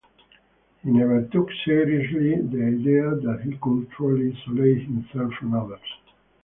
He never took seriously "the idea that he could truly isolate himself from others".